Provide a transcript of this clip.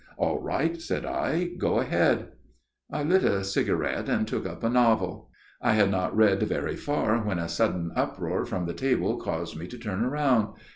"All right," said I, "go ahead." I lit a cigarette and took up a novel. I had not read very far when a sudden uproar from the table caused me to turn round.